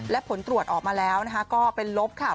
และผลตรวจออกมาแล้วก็เป็นลบค่ะ